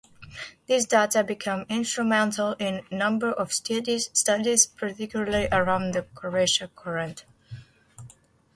This data became instrumental in a number of studies, particularly around the Kuroshio Current.